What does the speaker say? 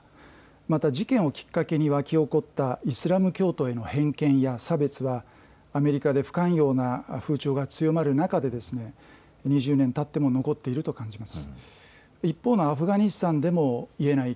また事件をきっかけに沸き起こったイスラム教徒への偏見や差別はアメリカで不寛容な風潮が強まる中で２０年たっても残っていると感じます。